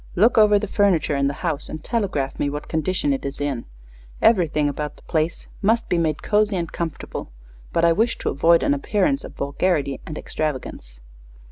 Look over the furniture in the house and telegraph me what condition it is in. Everything about the place must be made cozy and comfortable, but I wish to avoid an appearance of vulgarity or extravagance."